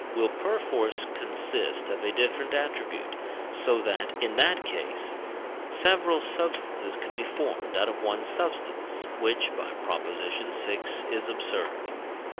will perforce consist of a different attribute, so that, in that case, several substances could be formed out of one substance, which (by Prop. vi.) is absurd.